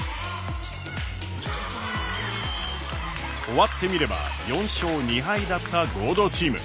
終わってみれば４勝２敗だった合同チーム。